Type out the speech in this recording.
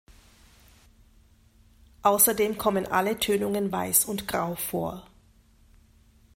Außerdem kommen alle Tönungen Weiß und Grau vor.